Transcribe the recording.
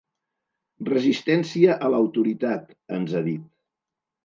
Resistència a l'autoritat, ens ha dit.